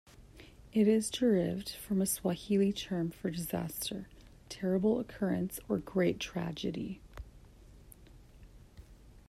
It is derived from a Swahili term for "disaster, terrible occurrence or great tragedy".